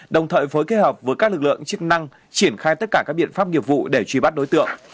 đồng thời phối kết hợp với các lực lượng chức năng triển khai tất cả các biện pháp nghiệp vụ để truy bắt đối tượng